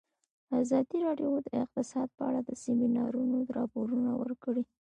ازادي راډیو د اقتصاد په اړه د سیمینارونو راپورونه ورکړي.